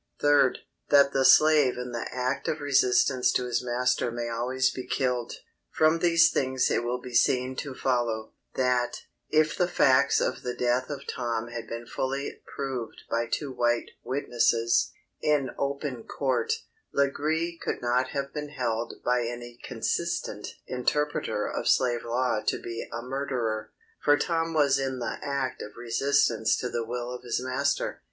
Third, That the slave in the act of resistance to his master may always be killed. From these things it will be seen to follow, that, if the facts of the death of Tom had been fully proved by two white witnesses, in open court, Legree could not have been held by any consistent interpreter of slave law to be a murderer; for Tom was in the act of resistance to the will of his master.